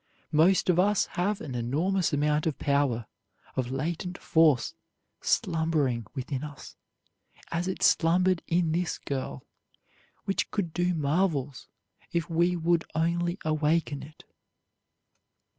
Most of us have an enormous amount of power, of latent force, slumbering within us, as it slumbered in this girl, which could do marvels if we would only awaken it.